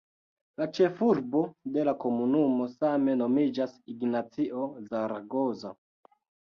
La ĉefurbo de la komunumo same nomiĝas "Ignacio Zaragoza".